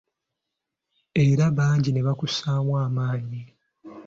Era bangi ne bakussaamu amaanyi.